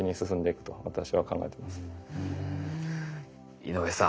井上さん